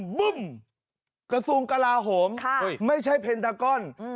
บุ้มบุ้มกระทรวงกระลาโหมค่ะอุ้ยไม่ใช่เพนตากรอืม